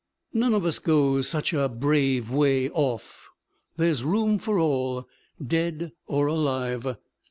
'None of us goes such a brave way off there's room for all, dead or alive.'